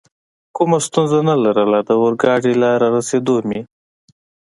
کومه ستونزه نه لرله، د اورګاډي له رارسېدو مې.